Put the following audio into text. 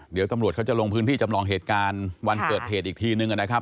เดี๋ยวตำรวจเขาจะลงพื้นที่จำลองเหตุการณ์วันเกิดเหตุอีกทีนึงนะครับ